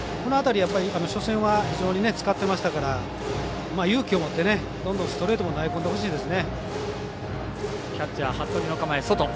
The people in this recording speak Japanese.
初戦は非常に使ってましたから勇気を持ってどんどんストレートも投げ込んでほしいですね。